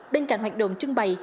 bên cạnh hoạt động trưng bày